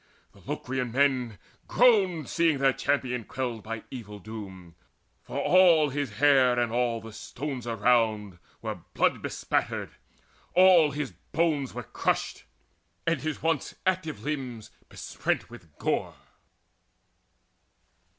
The Locrian men Groaned, seeing their champion quelled by evil doom; For all his hair and all the stones around Were brain bespattered: all his bones were crushed, And his once active limbs besprent with gore.